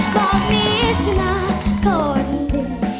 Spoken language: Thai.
บอกมิถนะคนเดียว